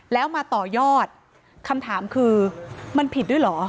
แล้วมาต่อยอดคำถามคือมันผิดด้วยเหรอ